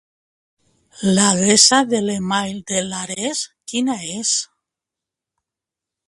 L'adreça de l'e-mail de l'Ares, quina és?